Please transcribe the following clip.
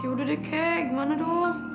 yaudah deh kayak gimana dong